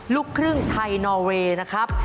ลูกครึ่งไทยนอเวย์นะครับ